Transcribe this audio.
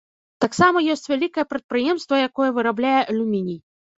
Таксама ёсць вялікае прадпрыемства, якое вырабляе алюміній.